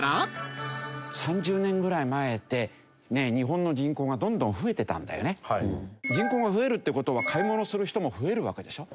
３０年ぐらい前って人口が増えるって事は買い物する人も増えるわけでしょ？